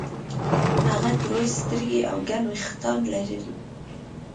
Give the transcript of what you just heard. هغه تروې سترګې او ګڼ وېښتان لرل